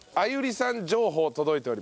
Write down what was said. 情報届いております。